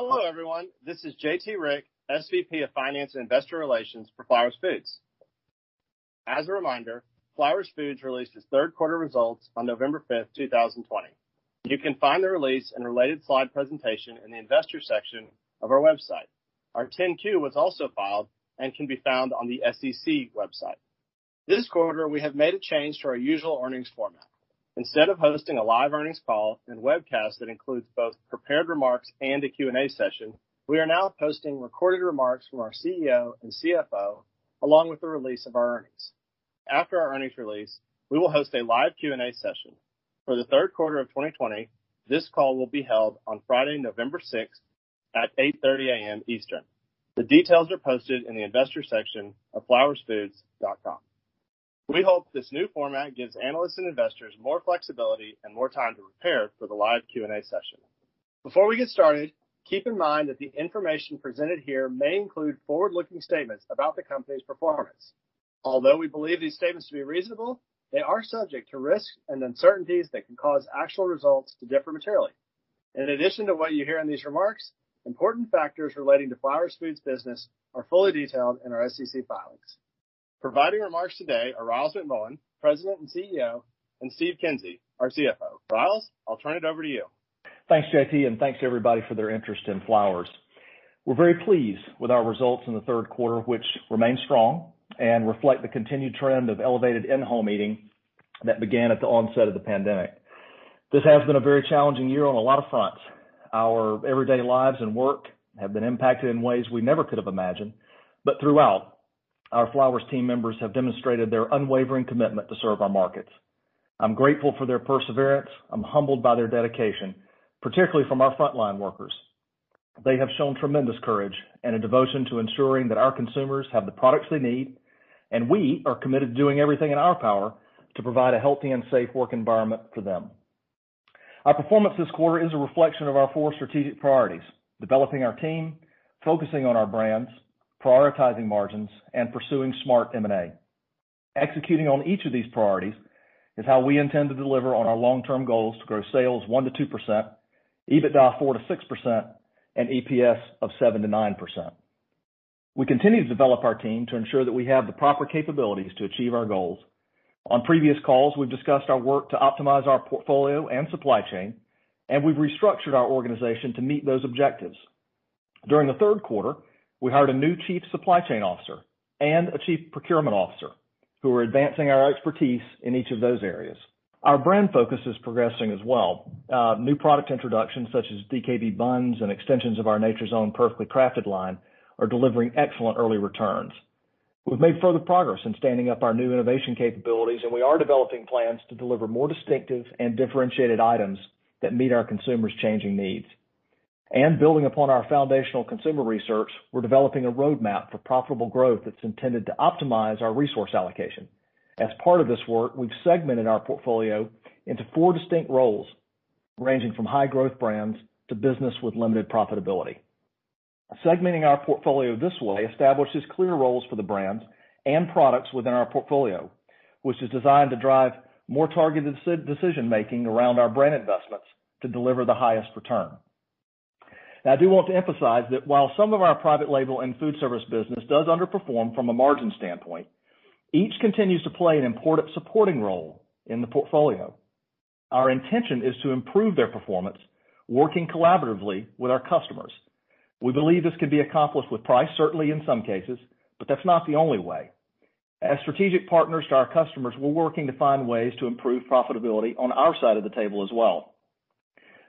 Hello, everyone. This is J.T. Rieck, SVP of Finance and Investor Relations for Flowers Foods. As a reminder, Flowers Foods released its third quarter results on November 5th, 2020. You can find the release and related slide presentation in the investors section of our website. Our 10-Q was also filed and can be found on the SEC website. This quarter, we have made a change to our usual earnings format. Instead of hosting a live earnings call and webcast that includes both prepared remarks and a Q&A session, we are now posting recorded remarks from our CEO and CFO, along with the release of our earnings. After our earnings release, we will host a live Q&A session. For the third quarter of 2020, this call will be held on Friday, November 6th at 8:30 A.M. Eastern. The details are posted in the investors section of flowersfoods.com. We hope this new format gives analysts and investors more flexibility and more time to prepare for the live Q&A session. Before we get started, keep in mind that the information presented here may include forward-looking statements about the company's performance. Although we believe these statements to be reasonable, they are subject to risks and uncertainties that can cause actual results to differ materially. In addition to what you hear in these remarks, important factors relating to Flowers Foods business are fully detailed in our SEC filings. Providing remarks today are Ryals McMullian, President and CEO, and Steve Kinsey, our CFO. Ryals, I'll turn it over to you. Thanks, J.T., thanks everybody for their interest in Flowers. We're very pleased with our results in the third quarter, which remain strong and reflect the continued trend of elevated in-home eating that began at the onset of the COVID-19. This has been a very challenging year on a lot of fronts. Our everyday lives and work have been impacted in ways we never could have imagined. Throughout, our Flowers team members have demonstrated their unwavering commitment to serve our markets. I'm grateful for their perseverance. I'm humbled by their dedication, particularly from our frontline workers. They have shown tremendous courage and a devotion to ensuring that our consumers have the products they need. We are committed to doing everything in our power to provide a healthy and safe work environment for them. Our performance this quarter is a reflection of our four strategic priorities, developing our team, focusing on our brands, prioritizing margins, and pursuing smart M&A. Executing on each of these priorities is how we intend to deliver on our long-term goals to grow sales 1%-2%, EBITDA 4%-6%, and EPS of 7%-9%. We continue to develop our team to ensure that we have the proper capabilities to achieve our goals. On previous calls, we've discussed our work to optimize our portfolio and supply chain, and we've restructured our organization to meet those objectives. During the third quarter, we hired a new Chief Supply Chain Officer and a Chief Procurement Officer who are advancing our expertise in each of those areas. Our brand focus is progressing as well. New product introductions such as DKB buns and extensions of our Nature's Own Perfectly Crafted line are delivering excellent early returns. We've made further progress in standing up our new innovation capabilities, and we are developing plans to deliver more distinctive and differentiated items that meet our consumers' changing needs. Building upon our foundational consumer research, we're developing a roadmap for profitable growth that's intended to optimize our resource allocation. As part of this work, we've segmented our portfolio into four distinct roles, ranging from high growth brands to business with limited profitability. Segmenting our portfolio this way establishes clear roles for the brands and products within our portfolio, which is designed to drive more targeted decision-making around our brand investments to deliver the highest return. I do want to emphasize that while some of our private label and food service business does underperform from a margin standpoint, each continues to play an important supporting role in the portfolio. Our intention is to improve their performance, working collaboratively with our customers. We believe this could be accomplished with price, certainly in some cases, that's not the only way. As strategic partners to our customers, we're working to find ways to improve profitability on our side of the table as well.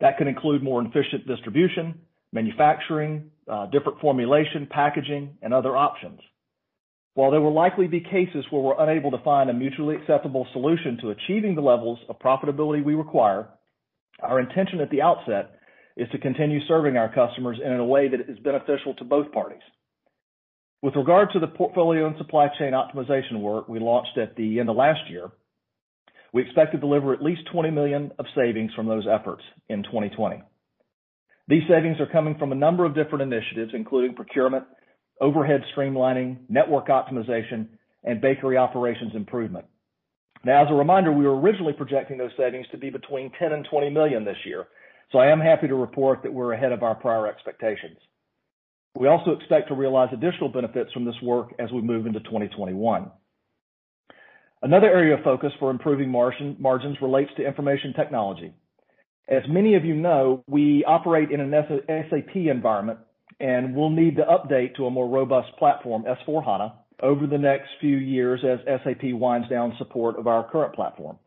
That could include more efficient distribution, manufacturing, different formulation, packaging, and other options. While there will likely be cases where we're unable to find a mutually acceptable solution to achieving the levels of profitability we require, our intention at the outset is to continue serving our customers and in a way that is beneficial to both parties. With regard to the portfolio and supply chain optimization work we launched at the end of last year, we expect to deliver at least $20 million of savings from those efforts in 2020. These savings are coming from a number of different initiatives, including procurement, overhead streamlining, network optimization, and bakery operations improvement. As a reminder, we were originally projecting those savings to be between $10 million and $20 million this year. I am happy to report that we're ahead of our prior expectations. We also expect to realize additional benefits from this work as we move into 2021. Another area of focus for improving margins relates to Information Technology. As many of you know, we operate in an SAP environment, and we'll need to update to a more robust platform, S/4HANA, over the next few years as SAP winds down support of our current platform.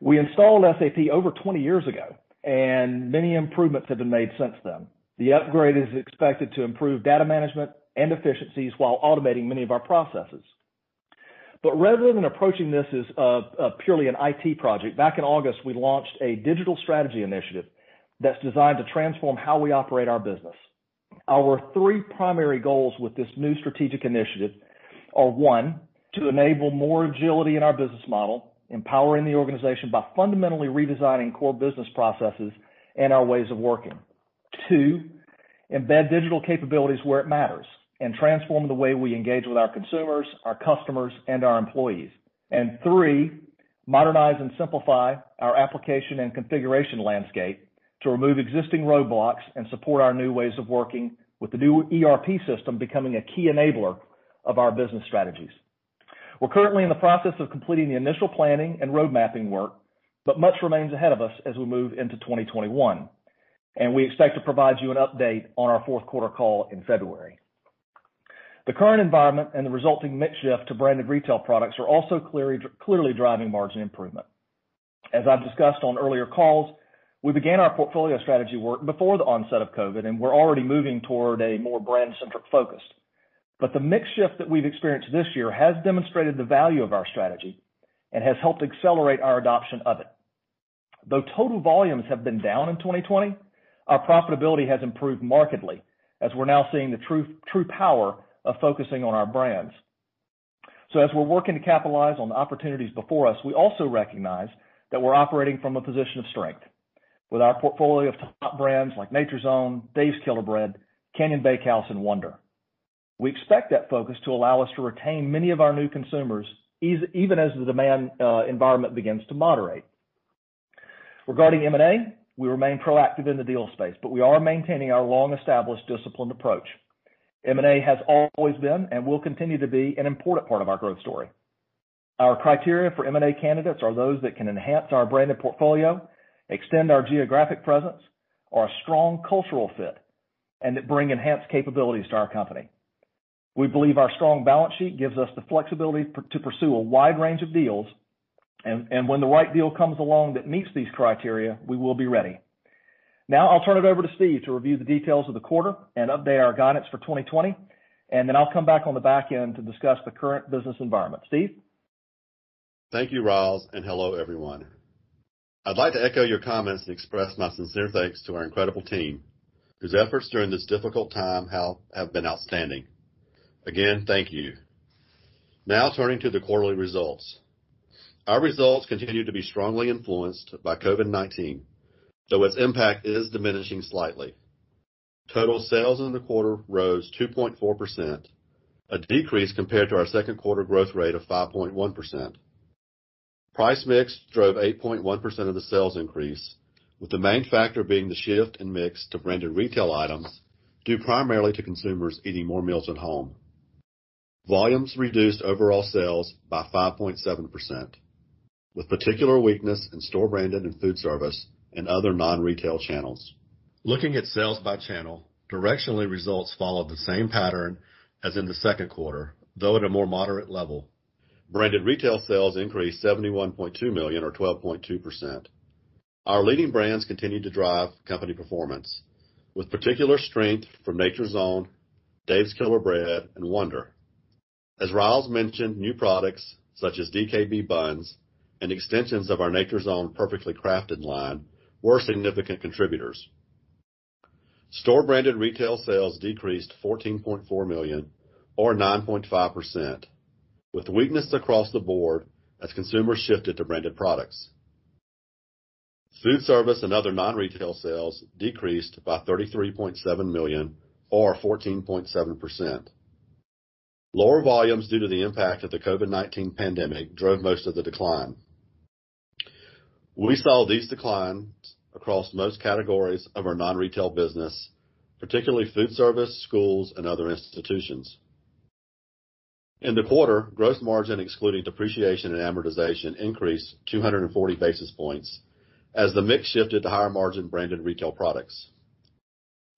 We installed SAP over 20 years ago. Many improvements have been made since then. The upgrade is expected to improve data management and efficiencies while automating many of our processes. Rather than approaching this as purely an IT project, back in August, we launched a Digital Strategy Initiative that's designed to transform how we operate our business. Our three primary goals with this new strategic initiative are: One. To enable more agility in our business model, empowering the organization by fundamentally redesigning core business processes and our ways of working. Two. Embed digital capabilities where it matters and transform the way we engage with our consumers, our customers, and our employees. Three. Modernize and simplify our application and configuration landscape to remove existing roadblocks and support our new ways of working with the new ERP system becoming a key enabler of our business strategies. We're currently in the process of completing the initial planning and road mapping work, but much remains ahead of us as we move into 2021. We expect to provide you an update on our fourth quarter call in February. The current environment and the resulting mix shift to branded retail products are also clearly driving margin improvement. As I've discussed on earlier calls, we began our portfolio strategy work before the onset of COVID, and we're already moving toward a more brand-centric focus. The mix shift that we've experienced this year has demonstrated the value of our strategy and has helped accelerate our adoption of it. Though total volumes have been down in 2020, our profitability has improved markedly as we're now seeing the true power of focusing on our brands. As we're working to capitalize on the opportunities before us, we also recognize that we're operating from a position of strength with our portfolio of top brands like Nature's Own, Dave's Killer Bread, Canyon Bakehouse, and Wonder. We expect that focus to allow us to retain many of our new consumers, even as the demand environment begins to moderate. Regarding M&A, we remain proactive in the deal space, but we are maintaining our long-established disciplined approach. M&A has always been and will continue to be an important part of our growth story. Our criteria for M&A candidates are those that can enhance our branded portfolio, extend our geographic presence, are a strong cultural fit, and that bring enhanced capabilities to our company. We believe our strong balance sheet gives us the flexibility to pursue a wide range of deals, and when the right deal comes along that meets these criteria, we will be ready. Now I'll turn it over to Steve to review the details of the quarter and update our guidance for 2020, and then I'll come back on the back end to discuss the current business environment. Steve? Thank you, Ryals, hello, everyone. I'd like to echo your comments and express my sincere thanks to our incredible team, whose efforts during this difficult time have been outstanding. Again, thank you. Now turning to the quarterly results. Our results continue to be strongly influenced by COVID-19, though its impact is diminishing slightly. Total sales in the quarter rose 2.4%, a decrease compared to our second quarter growth rate of 5.1%. Price mix drove 8.1% of the sales increase, with the main factor being the shift in mix to branded retail items, due primarily to consumers eating more meals at home. Volumes reduced overall sales by 5.7%, with particular weakness in store branded and food service and other non-retail channels. Looking at sales by channel, directionally results followed the same pattern as in the second quarter, though at a more moderate level. Branded retail sales increased $71.2 million or 12.2%. Our leading brands continued to drive company performance with particular strength from Nature's Own, Dave's Killer Bread, and Wonder. As Ryals mentioned, new products such as DKB buns and extensions of our Nature's Own Perfectly Crafted line were significant contributors. Store branded retail sales decreased $14.4 million or 9.5%, with weakness across the board as consumers shifted to branded products. Food service and other non-retail sales decreased by $33.7 million or 14.7%. Lower volumes due to the impact of the COVID-19 pandemic drove most of the decline. We saw these declines across most categories of our non-retail business, particularly food service, schools, and other institutions. In the quarter, gross margin excluding depreciation and amortization increased 240 basis points as the mix shifted to higher margin branded retail products.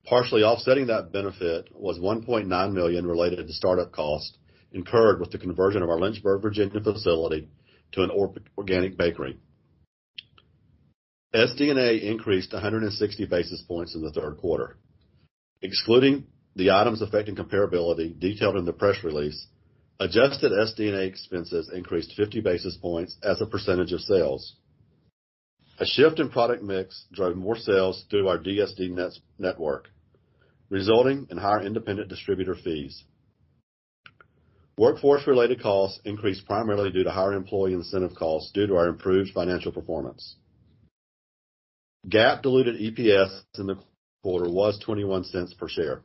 Partially offsetting that benefit was $1.9 million related to start-up cost incurred with the conversion of our Lynchburg, Virginia facility to an organic bakery. SD&A increased 160 basis points in the third quarter. Excluding the items affecting comparability detailed in the press release, adjusted SD&A expenses increased 50 basis points as a percentage of sales. A shift in product mix drove more sales through our DSD network, resulting in higher independent distributor fees. Workforce-related costs increased primarily due to higher employee incentive costs due to our improved financial performance. GAAP diluted EPS in the quarter was $0.21 per share.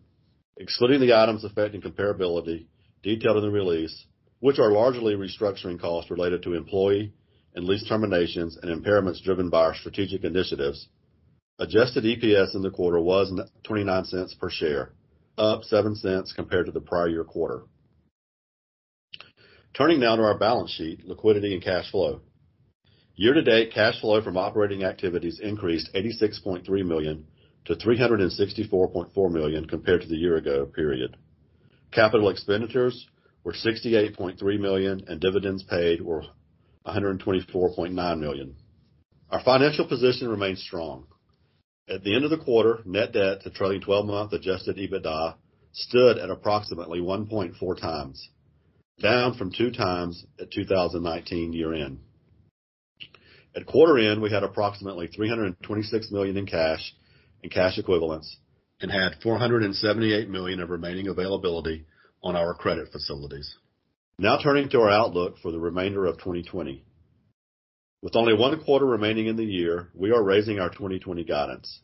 Excluding the items affecting comparability detailed in the release, which are largely restructuring costs related to employee and lease terminations and impairments driven by our strategic initiatives, adjusted EPS in the quarter was $0.29 per share, up $0.07 compared to the prior year quarter. Turning now to our balance sheet, liquidity, and cash flow. Year-to-date, cash flow from operating activities increased $86.3 million-$364.4 million compared to the year-ago period. Capital expenditures were $68.3 million, and dividends paid were $124.9 million. Our financial position remains strong. At the end of the quarter, net debt to trailing 12-month adjusted EBITDA stood at approximately 1.4x, down from 2x at 2019 year-end. At quarter end, we had approximately $326 million in cash and cash equivalents and had $478 million of remaining availability on our credit facilities. Turning to our outlook for the remainder of 2020. With only one quarter remaining in the year, we are raising our 2020 guidance.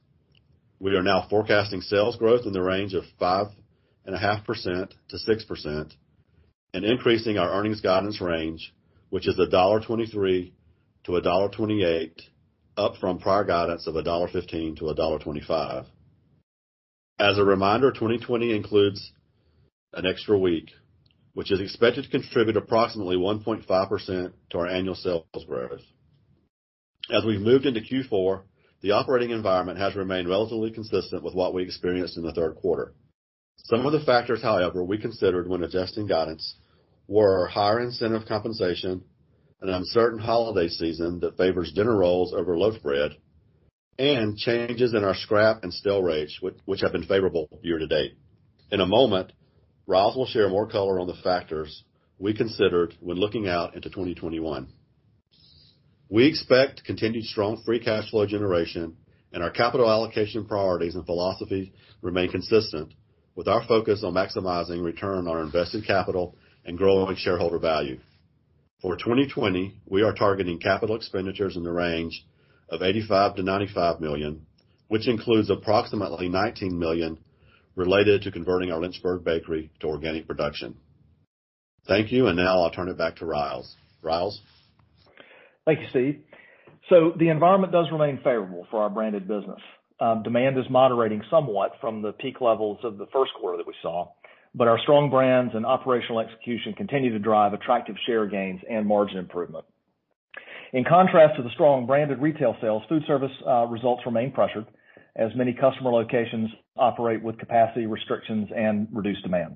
We are now forecasting sales growth in the range of 5.5%-6%, and increasing our earnings guidance range, which is $1.23-$1.28, up from prior guidance of $1.15-$1.25. As a reminder, 2020 includes an extra week, which is expected to contribute approximately 1.5% to our annual sales growth. As we've moved into Q4, the operating environment has remained relatively consistent with what we experienced in the third quarter. Some of the factors, however, we considered when adjusting guidance, were higher incentive compensation and an uncertain holiday season that favors dinner rolls over loaf bread, and changes in our scrap and stale rates, which have been favorable year to date. In a moment, Ryals will share more color on the factors we considered when looking out into 2021. We expect continued strong free cash flow generation and our capital allocation priorities and philosophies remain consistent, with our focus on maximizing return on our invested capital and growing shareholder value. For 2020, we are targeting capital expenditures in the range of $85 million-$95 million, which includes approximately $19 million related to converting our Lynchburg bakery to organic production. Thank you. Now I'll turn it back to Ryals. Ryals? Thank you, Steve. The environment does remain favorable for our branded business. Demand is moderating somewhat from the peak levels of the first quarter that we saw, but our strong brands and operational execution continue to drive attractive share gains and margin improvement. In contrast to the strong branded retail sales, food service results remain pressured as many customer locations operate with capacity restrictions and reduced demand.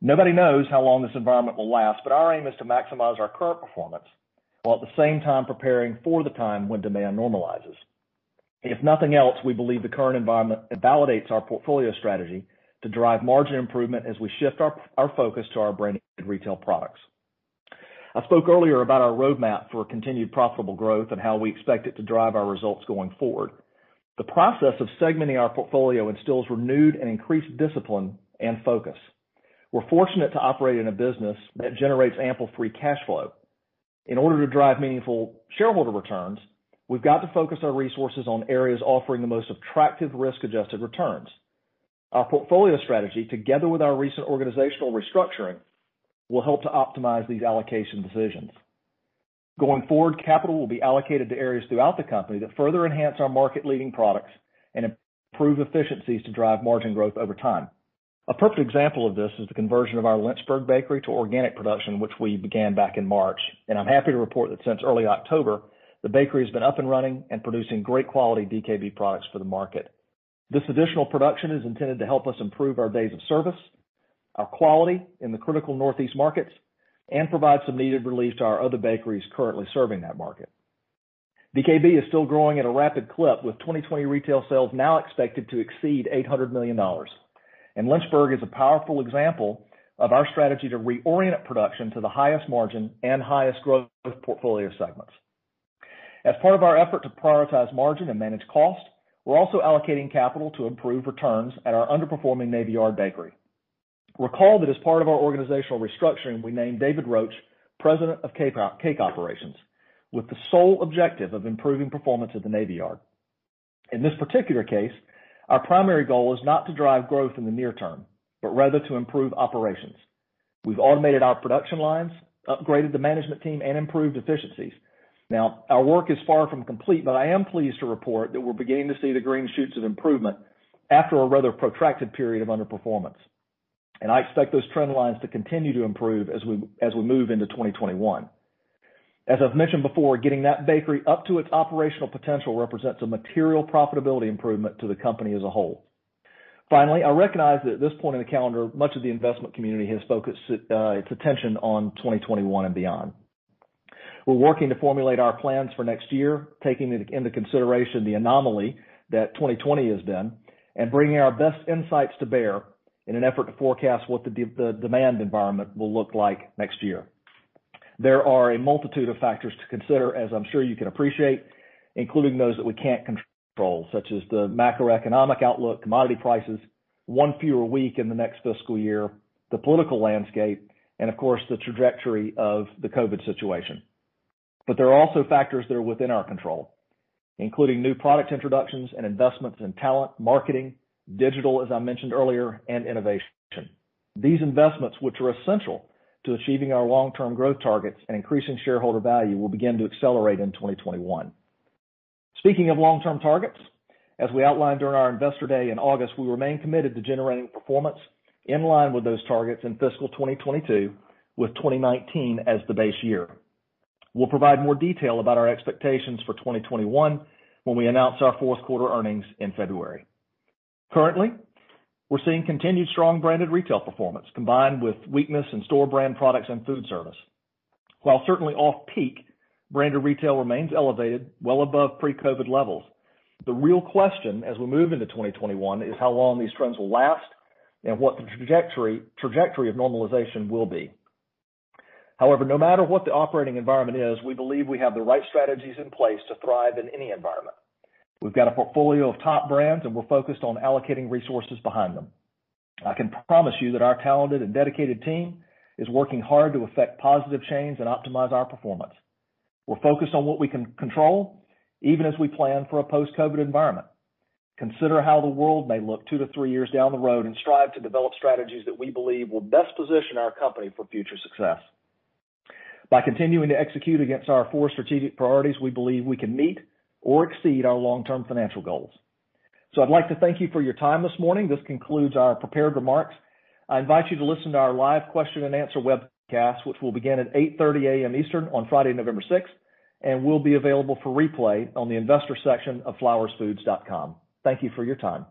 Nobody knows how long this environment will last, but our aim is to maximize our current performance, while at the same time preparing for the time when demand normalizes. If nothing else, we believe the current environment validates our portfolio strategy to drive margin improvement as we shift our focus to our branded retail products. I spoke earlier about our roadmap for continued profitable growth and how we expect it to drive our results going forward. The process of segmenting our portfolio instills renewed and increased discipline and focus. We're fortunate to operate in a business that generates ample free cash flow. In order to drive meaningful shareholder returns, we've got to focus our resources on areas offering the most attractive risk-adjusted returns. Our portfolio strategy, together with our recent organizational restructuring, will help to optimize these allocation decisions. Going forward, capital will be allocated to areas throughout the company that further enhance our market leading products and improve efficiencies to drive margin growth over time. A perfect example of this is the conversion of our Lynchburg bakery to organic production, which we began back in March, and I'm happy to report that since early October, the bakery has been up and running and producing great quality DKB products for the market. This additional production is intended to help us improve our days of service, our quality in the critical Northeast markets, and provide some needed relief to our other bakeries currently serving that market. DKB is still growing at a rapid clip, with 2020 retail sales now expected to exceed $800 million. Lynchburg is a powerful example of our strategy to reorient production to the highest margin and highest growth portfolio segments. As part of our effort to prioritize margin and manage cost, we're also allocating capital to improve returns at our underperforming Navy Yard bakery. Recall that as part of our organizational restructuring, we named David Roach, President of Cake Operations, with the sole objective of improving performance at the Navy Yard. In this particular case, our primary goal is not to drive growth in the near term, but rather to improve operations. We've automated our production lines, upgraded the management team, and improved efficiencies. Now, our work is far from complete, but I am pleased to report that we're beginning to see the green shoots of improvement after a rather protracted period of underperformance. I expect those trend lines to continue to improve as we move into 2021. As I've mentioned before, getting that bakery up to its operational potential represents a material profitability improvement to the company as a whole. Finally, I recognize that at this point in the calendar, much of the investment community has focused its attention on 2021 and beyond. We're working to formulate our plans for next year, taking into consideration the anomaly that 2020 has been, and bringing our best insights to bear in an effort to forecast what the demand environment will look like next year. There are a multitude of factors to consider, as I'm sure you can appreciate, including those that we can't control, such as the macroeconomic outlook, commodity prices, one fewer week in the next fiscal year, the political landscape, and of course, the trajectory of the COVID situation. But there are also factors that are within our control, including new product introductions and investments in talent, marketing, digital, as I mentioned earlier, and innovation. These investments, which are essential to achieving our long-term growth targets and increasing shareholder value, will begin to accelerate in 2021. Speaking of long-term targets, as we outlined during our Investor Day in August, we remain committed to generating performance in line with those targets in fiscal 2022, with 2019 as the base year. We'll provide more detail about our expectations for 2021 when we announce our fourth quarter earnings in February. Currently, we're seeing continued strong branded retail performance combined with weakness in store brand products and food service. While certainly off peak, branded retail remains elevated well above pre-COVID levels. The real question as we move into 2021 is how long these trends will last and what the trajectory of normalization will be. No matter what the operating environment is, we believe we have the right strategies in place to thrive in any environment. We've got a portfolio of top brands, and we're focused on allocating resources behind them. I can promise you that our talented and dedicated team is working hard to affect positive change and optimize our performance. We're focused on what we can control, even as we plan for a post-COVID environment. Consider how the world may look two to three years down the road and strive to develop strategies that we believe will best position our company for future success. By continuing to execute against our four strategic priorities, we believe we can meet or exceed our long-term financial goals. I'd like to thank you for your time this morning. This concludes our prepared remarks. I invite you to listen to our live question and answer webcast, which will begin at 8:30 A.M. Eastern on Friday, November 6th, and will be available for replay on the investor section of flowersfoods.com. Thank you for your time